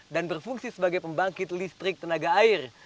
dan berfungsi sebagai pembangkit listrik tenaga air